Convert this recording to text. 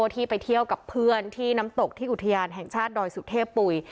ที่ไปเที่ยวกับเพื่อนที่น้ำตกที่อุทยานแห่งชาติดอยสุเทพปุ๋ย